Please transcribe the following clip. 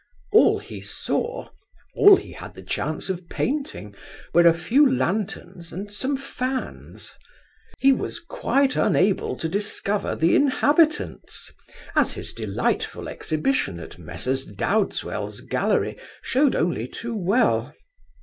All he saw, all he had the chance of painting, were a few lanterns and some fans. He was quite unable to discover the inhabitants, as his delightful exhibition at Messrs. Dowdeswell's Gallery showed only too well.